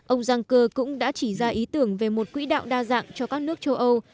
ông juncker cũng đã chỉ ra ý tưởng về một quỹ đạo đa dạng cho các nước châu âu